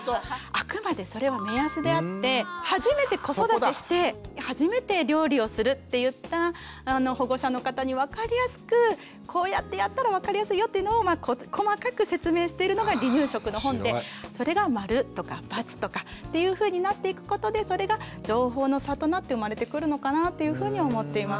あくまでそれは目安であって初めて子育てして初めて料理をするっていった保護者の方に分かりやすくこうやってやったら分かりやすいよっていうのを細かく説明しているのが離乳食の本でそれが○とか×とかというふうになっていくことでそれが情報の差となって生まれてくるのかなというふうに思っています。